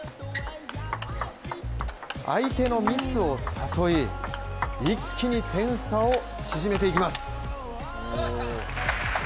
相手のミスを誘い、一気に点差を縮めていきます。